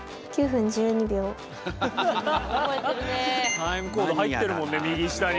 タイムコード入ってるもんね右下に。